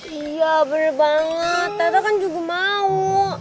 iya bener banget teteh kan juga mau